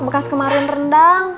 bekas kemarin rendang